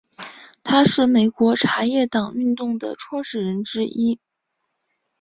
他是美国茶叶党运动的创始人之一。